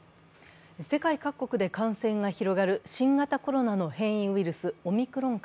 世界各国で感染が広がる新型コロナの変異ウイルス、オミクロン株。